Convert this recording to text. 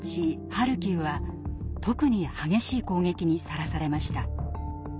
ハルキウは特に激しい攻撃にさらされました。